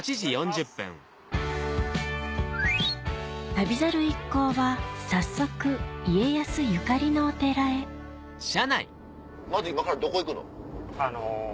旅猿一行は早速家康ゆかりのお寺へまず今からどこ行くの？